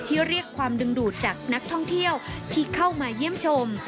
เรียกความดึงดูดจากนักท่องเที่ยวที่เข้ามาเยี่ยมชม